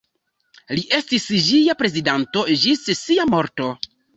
Li estis ĝia prezidanto ĝis sia morto.